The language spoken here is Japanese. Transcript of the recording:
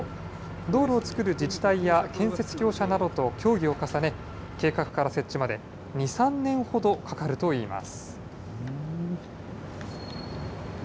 道路を造る自治体や建設業者などと協議を重ね、計画から設置まで２、３年ほどかかるといいます。